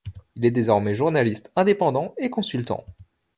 Il est désormais journaliste indépendant et consultant.